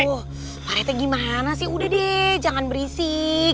pak rite gimana sih udah deh jangan berisik